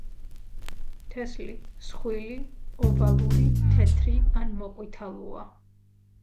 თესლი მსხვილი, ოვალური, თეთრი ან მოყვითალოა.